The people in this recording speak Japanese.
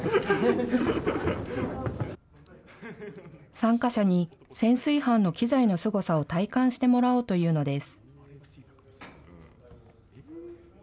参加者に潜水班の機材のすごさを体感してもらおうというのです。